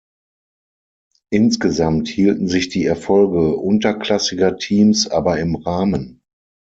Insgesamt hielten sich die Erfolge unterklassiger Teams aber im Rahmen.